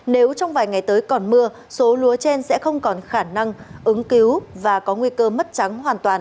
nếu trong vài ngày tới còn mưa số lúa trên sẽ không còn khả năng ứng cứu và có nguy cơ mất trắng hoàn toàn